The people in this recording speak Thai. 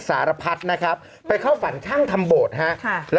โอเคโอเคโอเคโอเคโอเคโอเคโอเค